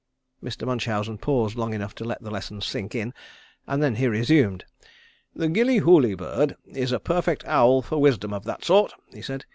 Mr. Munchausen paused long enough to let the lesson sink in and then he resumed. "The Gillyhooly bird is a perfect owl for wisdom of that sort," he said.